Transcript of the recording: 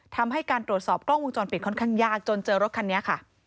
ทำให้การตรวจสอบกล้องวงจรปิดค่อนข้างยากจนเจอรถคันนี้ค่ะ